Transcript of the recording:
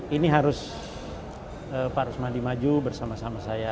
ini harus pak rusmandi maju bersama sama saya